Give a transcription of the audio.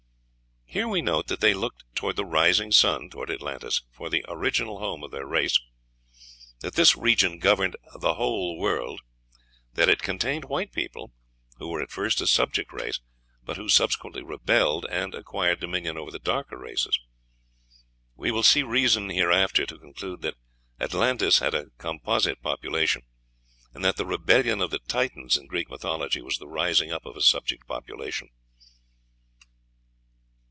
Here we note that they looked "toward the rising sun" toward Atlantis for the original home of their race; that this region governed "the whole world;" that it contained white people, who were at first a subject race, but who subsequently rebelled, and acquired dominion over the darker races. We will see reason hereafter to conclude that Atlantis had a composite population, and that the rebellion of the Titans in Greek mythology was the rising up of a subject population.